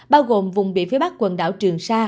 bao gồm vùng biển phía bắc quần đảo trường sa